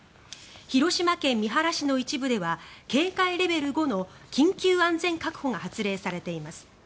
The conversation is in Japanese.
広島県三原市の一部では警戒レベル５の緊急安全確保が発令されています。